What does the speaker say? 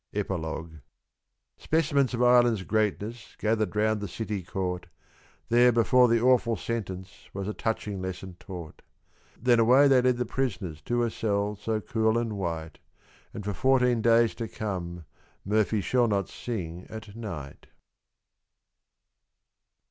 EPILOGUE. Specimens of Ireland's greatness gathered round the City court. There before the awful sentence was a touching lesson taught Then away they led the prisoners to a cell, so cool and white; And for fourteen days to come Murphy shall not sing at night.